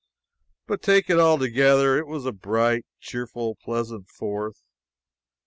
But take it all together, it was a bright, cheerful, pleasant Fourth.